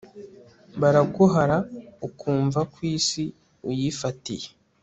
baraguhara ukwumva ko isi uyifatiye